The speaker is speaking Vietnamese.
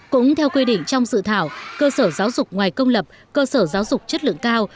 cũng theo quy định trong dự thảo cơ sở giáo dục ngoài công lập cơ sở giáo dục chất lượng cao